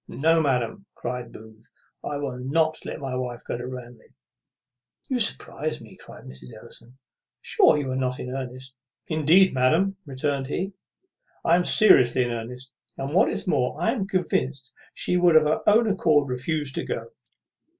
"No, madam," cries Booth, "I will not let my wife go to Ranelagh." "You surprize me!" cries Mrs. Ellison. "Sure, you are not in earnest?" "Indeed, madam," returned he, "I am seriously in earnest. And, what is more, I am convinced she would of her own accord refuse to go."